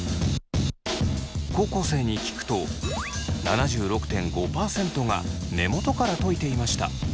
高校生に聞くと７６．５％が根元からといていました。